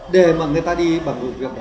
để mà người ta đi bằng vụ việc đó